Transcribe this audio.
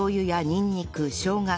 にんにくしょうが。